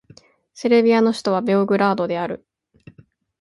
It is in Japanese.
セルビアの首都はベオグラードである